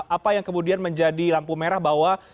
apa yang kemudian menjadi lampu merah bahwa